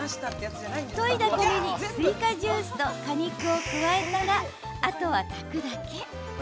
といだ米にスイカジュースと果肉を加えたらあとは炊くだけ。